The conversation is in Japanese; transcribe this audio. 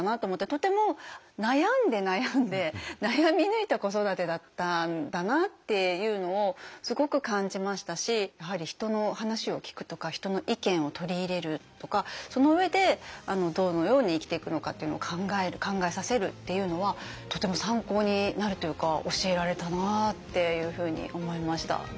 とても悩んで悩んで悩み抜いた子育てだったんだなっていうのをすごく感じましたしやはり人の話を聞くとか人の意見を取り入れるとかその上でどのように生きていくのかというのを考える考えさせるっていうのはとても参考になるというか教えられたなっていうふうに思いました。